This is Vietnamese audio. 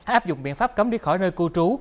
áp dụng biện pháp cấm đi khỏi nơi cư trú